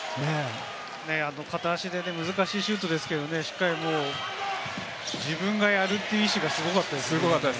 片足で難しいシュートですけれど、しっかり自分がやるっていう意思がすごかったですね。